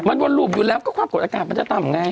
มันวนหลูบอยู่แล้วก็ความกดอากาศมันจะต่ำไง